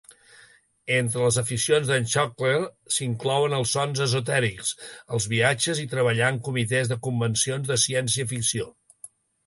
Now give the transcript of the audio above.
Entre les aficions d'en Chalker s'inclouen els sons esotèrics, els viatges i treballar en comitès de convencions de ciència ficció.